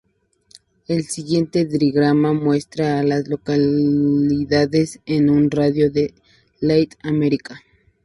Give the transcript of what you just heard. El siguiente diagrama muestra a las localidades en un radio de de Little America.